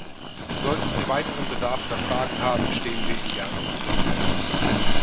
Sollten Sie weiteren Bedarf oder Fragen haben, stehen wir Ihnen gerne zur Verfügung.